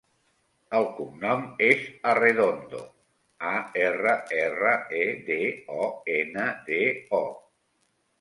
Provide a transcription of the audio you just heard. El cognom és Arredondo: a, erra, erra, e, de, o, ena, de, o.